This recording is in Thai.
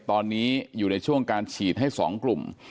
ตอนนี้อยู่ในช่วงการฉีดให้๒กลุ่ม